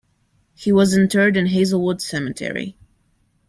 He was interred in Hazelwood Cemetery.